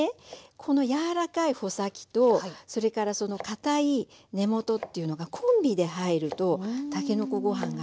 この柔らかい穂先とそれからかたい根元というのがコンビで入るとたけのこご飯がね